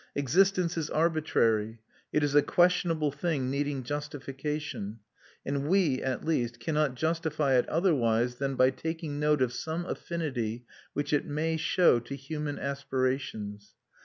Existence is arbitrary; it is a questionable thing needing justification; and we, at least, cannot justify it otherwise than by taking note of some affinity which it may show to human aspirations.